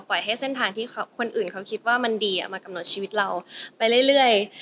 ให้เส้นทางที่คนอื่นเขาคิดว่ามันดีมากำหนดชีวิตเราไปเรื่อย